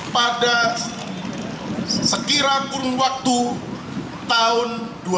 pada sekiranya kurang waktu tahun dua ribu dua puluh